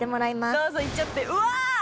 どうぞいっちゃってうわぁ！